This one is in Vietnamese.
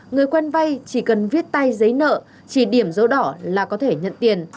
người quen vay chỉ cần viết tay giấy nợ chỉ điểm dấu đỏ là có thể nhận tiền